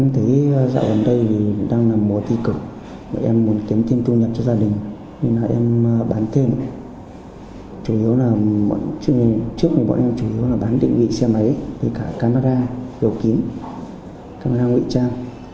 thiết bị thu nhập cho gia đình em bán thêm trước này bọn em chủ yếu là bán định vị xe máy camera đồ kiếm camera ngụy trang